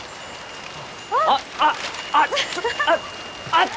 あっ！